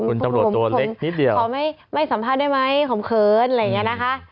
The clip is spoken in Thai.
คุณตำรวจตัวเล็กนิดเดียวขอไม่สัมภาษณ์ได้ไหมหอมเขินอะไรอย่างนี้นะคะ